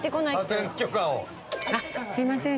すいません。